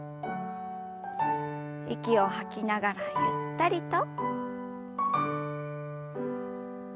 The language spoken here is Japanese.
息を吐きながらゆったりと。